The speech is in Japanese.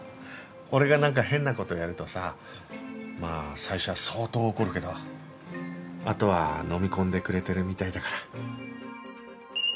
俺がなんか変な事やるとさまあ最初は相当怒るけどあとはのみ込んでくれてるみたいだから。